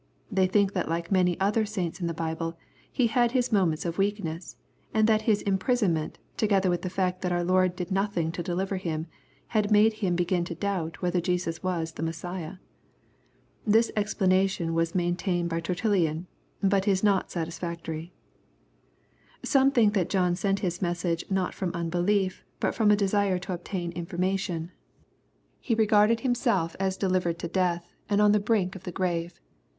They think that like many other saints in the Bible, he had his moments of weakness, and that his imprison ment^ together with the fact that our Lord did nothing to deliver him, had made him begin to doubt whether Jesus was the Messiah. This explanation was maintained by TertuUian, but it is not satis factory. Some think that John sent his message not from unbelief, but ftom a desire to obtain information. He regarded himself aa LUKE, CHAP. VII. Ifl9 deKvered to death, and on the brink of tiie grave.